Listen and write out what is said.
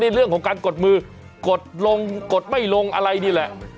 เรื่องของการกดมือกดลงกดไม่ลงอะไรนี่แหละ